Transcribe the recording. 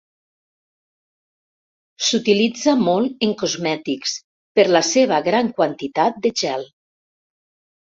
S'utilitza molt en cosmètics per la seva gran quantitat de gel.